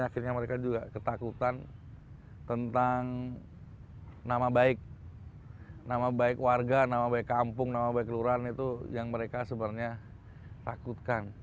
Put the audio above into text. akhirnya mereka juga ketakutan tentang nama baik nama baik warga nama baik kampung nama baik kelurahan itu yang mereka sebenarnya takutkan